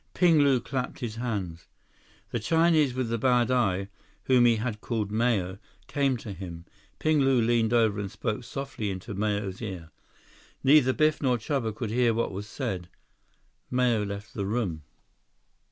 Ping Lu clapped his hands. The Chinese with the bad eye, whom he had called Mao, came to him. Ping Lu leaned over and spoke softly into Mao's ear. Neither Biff nor Chuba could hear what was said. Mao left the room.